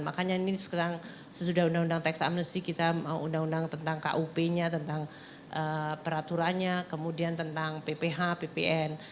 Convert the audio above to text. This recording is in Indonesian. makanya ini sekarang sesudah undang undang tax amnesty kita mau undang undang tentang kup nya tentang peraturannya kemudian tentang pph ppn